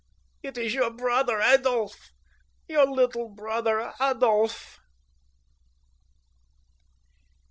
It is your brother Adolph; your little brother Adolph!"